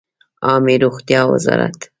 عامې روغتیا وزارت